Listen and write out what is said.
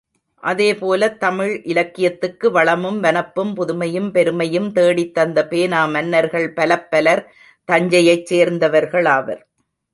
அதேபோலத் தமிழ் இலக்கியத்துக்கு வளமும், வனப்பும், புதுமையும், பெருமையும் தேடித்தந்த பேனா மன்னர்கள் பலப்பலர் தஞ்சையைச் சேர்ந்தவர்களாவர்.